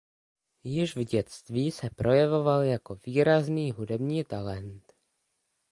Již v dětství se projevoval jako výrazný hudební talent.